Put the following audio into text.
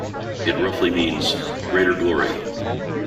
It roughly means "greater glory".